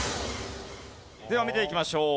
では見ていきましょう。